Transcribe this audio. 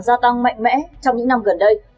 gia tăng mạnh mẽ trong những năm gần đây